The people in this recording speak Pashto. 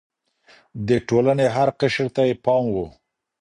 د ټولنې هر قشر ته يې پام و.